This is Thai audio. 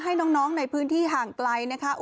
ให้น้องในพื้นที่ห่างไกลนะคะ